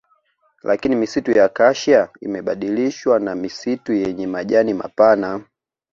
Lakini misitu ya Acacia imebadilishwa na misitu yenye majani mapana